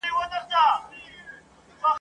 شپه به ځي بلال به واورو زه سهار په سترګو وینم !.